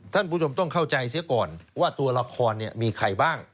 ท่านผู้ชมต้องเข้าใจเสียก่อนว่าตัวละครมีใครบ้าง